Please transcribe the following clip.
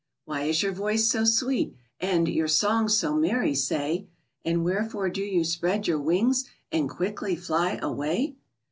Why is your voice so sweet, and Your song so merry, say? And wherefore do you spread your wings And quickly fly away?